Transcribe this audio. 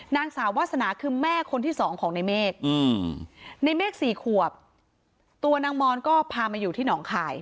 นางสาววาสนาคือแม่คนที่สองของในเมฆในเมฆ๔ขวบตัวนางมอนก็พามาอยู่ที่หนองคาย